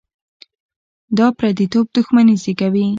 دا پرديتوب دښمني زېږوي.